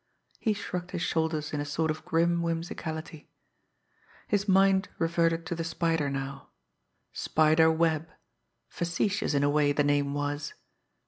He shrugged his shoulders in a sort of grim whimsicality. His mind reverted to the Spider now Spider Webb. Facetious, in a way, the name was!